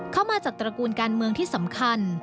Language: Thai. เข้ามาจัดตระกูลการเมืองที่สำคัญ